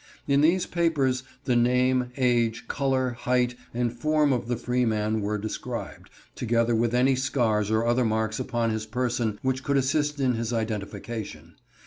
In these papers the name, age, color, height, and form of the freeman were described, together with any scars or other marks upon his person which could assist in his identification.